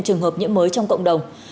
trường hợp nhiễm mới trong cộng đồng